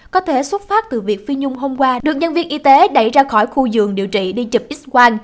có thể xuất phát từ việc phi nhung hôm qua được nhân viên y tế đẩy ra khỏi khu giường điều trị đi chụp x quang